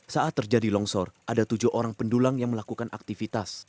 saat terjadi longsor ada tujuh orang pendulang yang melakukan aktivitas